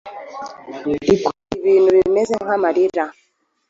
Ikora ibintu bimeze nk’amarira.